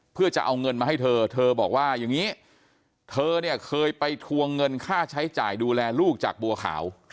เพื่อจะเอาเงินมาให้เธอเธอบอกว่าอย่างนี้เธอเนี่ยเคยไปทวงเงินค่าใช้จ่ายดูแลลูกจากบัวขาว